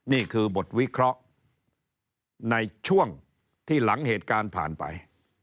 นี่คือบทวิเคราะห์ในช่วงที่หลังเหตุการณ์ผ่านไป